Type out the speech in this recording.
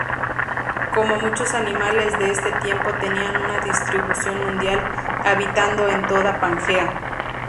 Como muchos animales de este tiempo tenían una distribución mundial, habitando en toda Pangea.